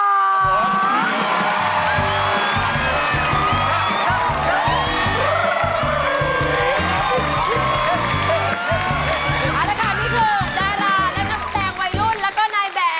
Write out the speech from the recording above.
นี่คือดาราและนับแต่งวัยรุ่นและก็นายแบบ